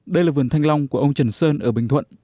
đây là vườn thanh long của ông trần sơn ở bình thuận